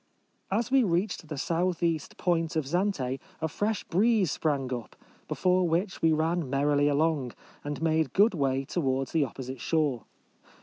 As we reached the S.E. point of Zante a fresh breeze sprang up, before which we ran merrily along, and made good way towards the opposite shore.